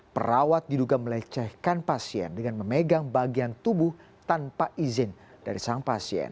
perawat diduga melecehkan pasien dengan memegang bagian tubuh tanpa izin dari sang pasien